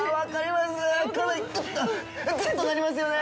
グッとなりますよね！